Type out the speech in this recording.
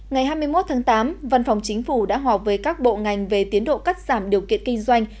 ngày hai mươi một tháng tám văn phòng chính phủ đã họp với các bộ ngành về tiến độ cắt giảm điều kiện kinh doanh